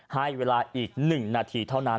ให้เวลาอีก๑นาทีเท่านั้น